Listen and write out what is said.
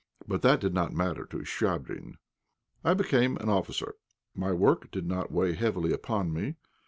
But that did not matter to Chvabrine. I became an officer. My work did not weigh heavily upon me.